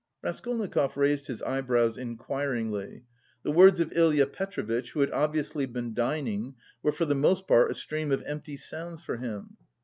Raskolnikov raised his eyebrows inquiringly. The words of Ilya Petrovitch, who had obviously been dining, were for the most part a stream of empty sounds for him.